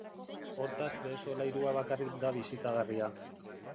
Hortaz behe solairua bakarrik da bisitagarria.